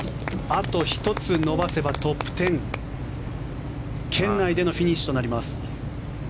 あと１つ伸ばせばトップ１０圏内でのフィニッシュとなります。